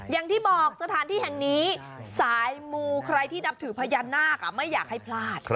อย่างที่สถานที่แห่งนี้สายมูใครที่นับถือพญานาคไม่อยากให้พลาด